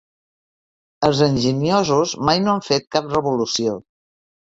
Els enginyosos mai no han fet cap revolució.